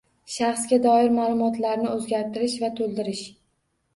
Shaxsga doir ma’lumotlarni o‘zgartirish va to‘ldirish